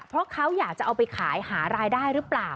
เพราะเขาอยากจะเอาไปขายหารายได้หรือเปล่า